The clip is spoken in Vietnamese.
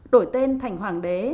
đổi tên thành hoàng đế